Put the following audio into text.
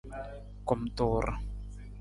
Kumtuur.